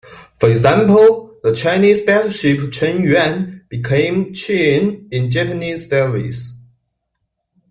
For example, the Chinese battleship "Chen Yuan" became "Chin'en" in Japanese service.